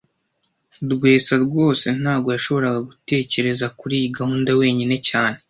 Rwesa rwose ntago yashoboraga gutekereza kuriyi gahunda wenyine cyane